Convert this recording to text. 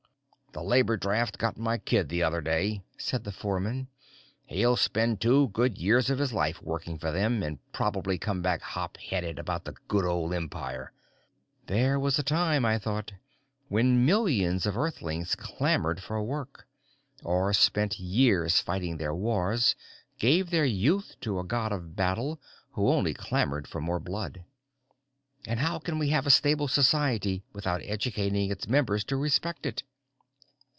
_ "The labor draft got my kid the other day," said the foreman. "He'll spend two good years of his life working for them, and prob'ly come back hopheaded about the good o' the Empire." There was a time, I thought, _when millions of Earthlings clamored for work, or spent years fighting their wars, gave their youth to a god of battle who only clamored for more blood. And how can we have a stable society without educating its members to respect it?